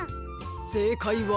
せいかいは。